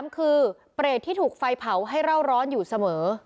๓คือเปรตที่ถูกไฟเผาให้เล่าร้อนอยู่เสมอ